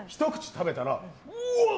食べたらうわっ！